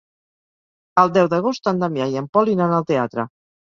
El deu d'agost en Damià i en Pol iran al teatre.